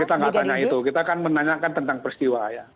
kita nggak tanya itu kita kan menanyakan tentang peristiwa ya